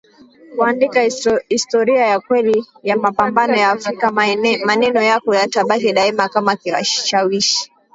kuandika historia ya kweli ya mapambano ya Afrika maneno yako yatabaki daima kama kishawishi